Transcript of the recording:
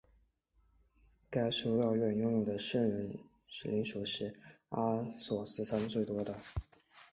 该修道院拥有的圣人圣髑是阿索斯山最多的。